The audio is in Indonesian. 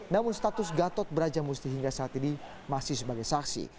namun status gatot brajamusti hingga saat ini masih sebagai saksi